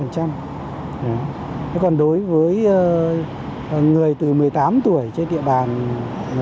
thế còn đối với người từ một mươi tám tuổi trên địa bàn